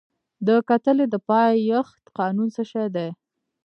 د کتلې د پایښت قانون څه شی دی؟